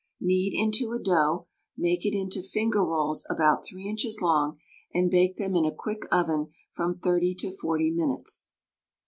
Knead into a dough, make it into finger rolls about 3 inches long, and bake them in a quick oven from 30 to 40 minutes.